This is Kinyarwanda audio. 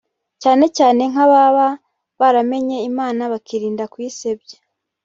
cyane cyane nk’ababa baramenye Imana bakirinda kuyisebya